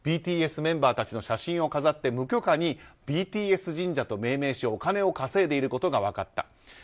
ＢＴＳメンバーたちの写真を飾って無許可にＢＴＳ神社と命名しお金を稼いでいることが分かった。